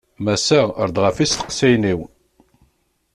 Massa, err-d ɣef yisteqsiyen-iw.